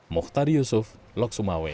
muhtar yusuf lok sumaweng